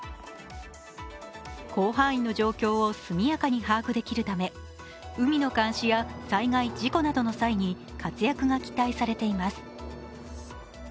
広範囲の状況を速やかに把握できるため、海の監視や災害・事故の際に活躍が期待されています。